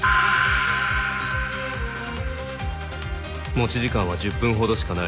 「持ち時間は、１０分ほどしかない。